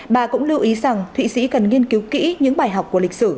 bà cũng lưu ý rằng thụy sĩ cần nghiên cứu kỹ những bài học của lịch sử